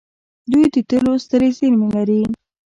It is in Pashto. دوی د تیلو سترې زیرمې لري.